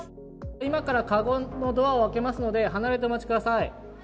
今からかごのドアを開けますので、離れてお待ちください。